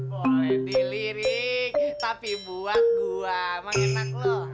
boleh dilirik tapi buat gua mengenak loh